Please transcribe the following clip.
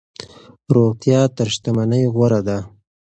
روغتیا تر شتمنۍ غوره ده.